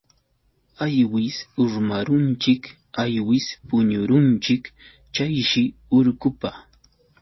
Aywis urmarunchik aywis puñurunchik chayshi urqupa.